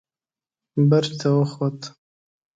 برج ته وخوت.